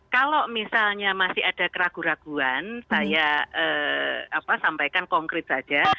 kalau misalnya masih ada keraguan keraguan saya sampaikan konkret saja